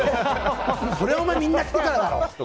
それはお前みんな来てからだろとか。